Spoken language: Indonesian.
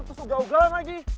terus uga ugalan lagi